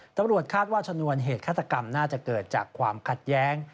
ตำรวจคาดว่าชนวนเหตุฆาตกรรมน่าจะเกิดจากความขัดแย้ง